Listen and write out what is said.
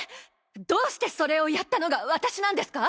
どうしてそれをやったのが私なんですか！？